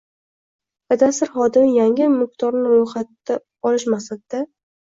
- Kadastr xodimi yangi mulkdorni ro‘yxatga olish maqsadida